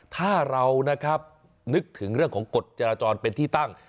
ถ้าเรานะครับนึกถึงเรื่องของกฎจราจรเป็นที่ตั้ง